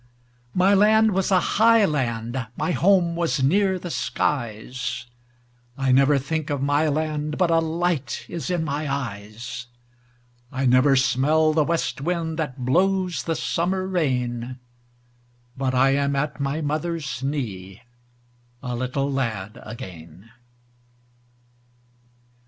My land was a high land; my home was near the skies.I never think of my land but a light is in my eyes;I never smell the west wind that blows the summer rain—But I am at my mother's knee, a little lad again.